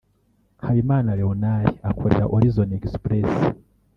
Habimana Leonard akorera Horizon Express